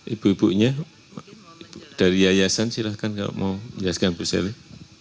ibu ibunya dari yayasan silahkan kalau mau menjelaskan bu sari